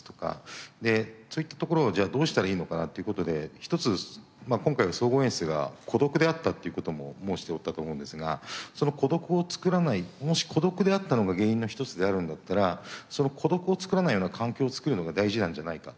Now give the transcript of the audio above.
そういったところをじゃあどうしたらいいのかなという事で一つ今回は総合演出が孤独であったという事も申しておったと思うんですがその孤独を作らないもし孤独であったのが原因の一つであるんだったらその孤独を作らないような環境を作るのが大事なんじゃないか。